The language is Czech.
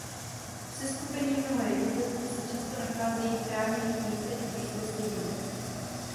V seskupení mnoha jednotlivců se často nacházejí v chráněných místech v blízkosti vody.